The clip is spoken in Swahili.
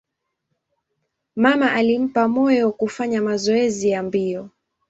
Mama alimpa moyo kufanya mazoezi ya mbio.